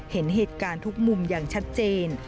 เห็นเหตุการณ์ทุกมุมอย่างชัดเจน